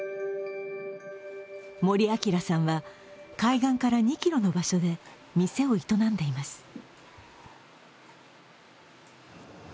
森朗さんは海岸から２ｋｍの場所で店を営んでいます。